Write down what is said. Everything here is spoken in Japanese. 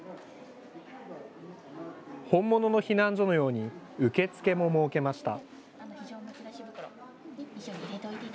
本物の避難所のように受付も設けました。